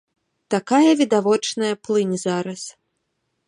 Такая відавочная плынь зараз.